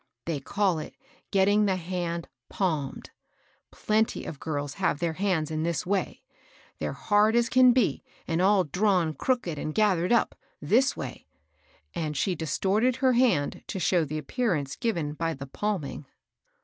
They call it getting the hand palmed. Plenty of girls have their hands in this way. They're hard as can be, and aU drawn crooked and gathered up, this way ;" and she distorted her hand to show the appearance given by the " palming."